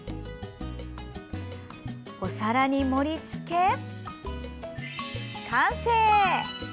お皿に盛りつけ、完成！